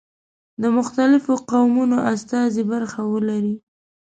د مختلفو قومونو استازي برخه ولري.